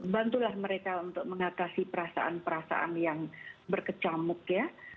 bantulah mereka untuk mengatasi perasaan perasaan yang berkecamuk ya